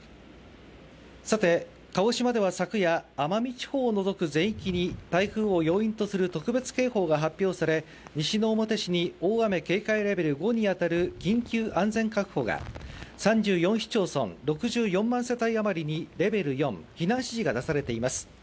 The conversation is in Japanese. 鹿児島では昨夜、奄美地方を除く全域に台風を要因とする特別警報が発表され西之表市に大雨警戒レベル５に当たる緊急安全確保が、３４市町村、６４萬世帯あまりにレベル４、避難指示が出されています。